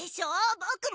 ボクも。